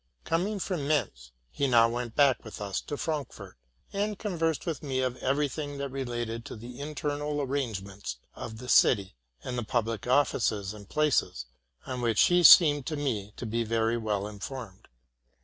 Coming from Mentz, he now went back with us to Frank fort, and conversed with me of every thing that related to the internal arrangements of the city, and the public offices and places, on which he seemed to me to be very well in formed.